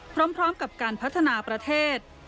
พร้อมกับการพัฒนาประเทศ